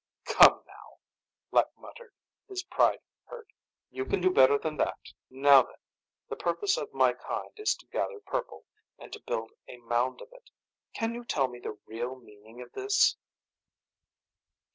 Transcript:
"Come now," Lek muttered, his pride hurt. "You can do better than that. Now then. The purpose of my kind is to gather purple, and to build a mound of it. Can you tell me the real meaning of this?"